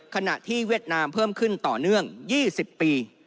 ขณะที่เวียดนามเพิ่มขึ้นต่อเนื่อง๒๐ปี